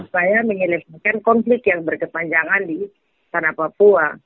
supaya menyelepaskan konflik yang berkepanjangan di sana papua